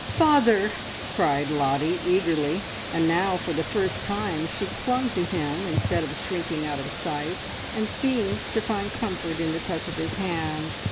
"Father!" cried Lottie eagerly, and now for the first time she clung to him instead of shrinking out of sight, and seemed to find comfort in the touch of his hand.